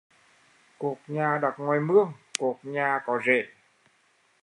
Cột nhà đặt ngoài mương, cột nhà có rễ